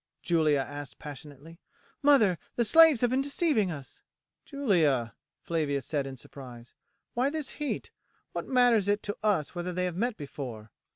Julia asked passionately. "Mother, the slaves have been deceiving us." "Julia," Flavia said in surprise, "why this heat? What matters it to us whether they have met before?"